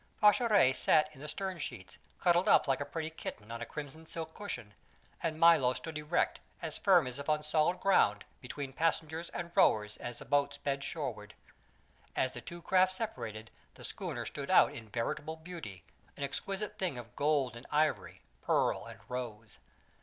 Pascherette sat in the stern sheets, cuddled up like a pretty kitten on a crimson silk cushion, and Milo stood erect, as firm as if on solid ground, between passengers and rowers as the boat sped shoreward. As the two craft separated the schooner stood out in veritable beauty, an exquisite thing of gold and ivory, pearl and rose.